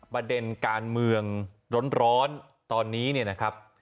ประเด็นการเมืองร้อนตอนนี้เนี่ยนะครับ